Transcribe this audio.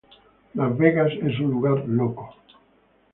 Las Vegas es un lugar loco".